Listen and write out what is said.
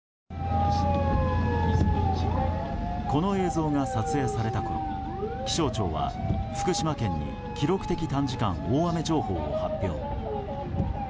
この映像が撮影されたころ気象庁は、福島県に記録的短時間大雨情報を発表。